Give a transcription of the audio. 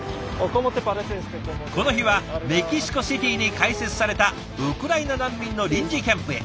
この日はメキシコシティに開設されたウクライナ難民の臨時キャンプへ。